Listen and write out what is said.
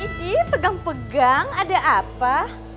ini pegang pegang ada apa